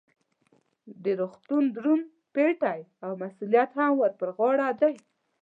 د روغتون دروند پیټی او مسؤلیت هم ور په غاړه دی.